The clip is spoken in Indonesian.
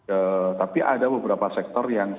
ee tapi ada beberapa sektor yang